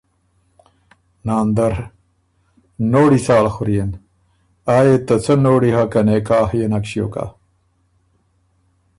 ناندر: نوړي څال خوريېن، آ يې ته څۀ نوړی هۀ که نکاح يې نک ݭیوک هۀ